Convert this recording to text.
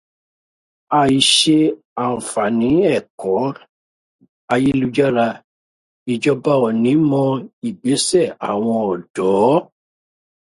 Àìsí àǹfàní ẹ̀kọ́ ayélujára íjọba ò ní mọ ìgbésè àwọn ọ̀dọ́.